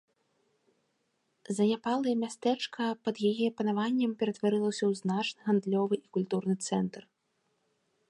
Заняпалае мястэчка пад яе панаваннем пераўтварылася ў значны гандлёвы і культурны цэнтр.